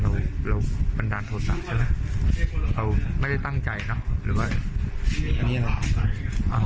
เราเราบันดาลโทษะใช่ไหมเราไม่ได้ตั้งใจเนอะหรือว่าอันนี้ยังไง